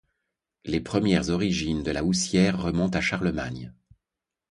Les premières origines de La Houssière remontent à Charlemagne.